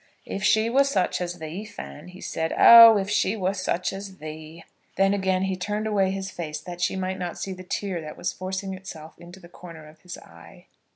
"If she were such as thee, Fan," he said. "Oh, if she were such as thee!" Then again he turned away his face that she might not see the tear that was forcing itself into the corner of his eye.